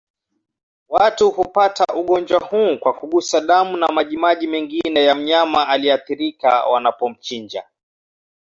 Watu hupata ugonjwa huu kwa kugusa damu na majimaji mengine ya mnyama aliyeathirika wanapomchinja